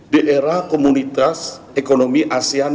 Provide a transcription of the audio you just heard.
di era komunitas ekonomi asean dua ribu lima belas